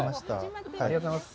ありがとうございます。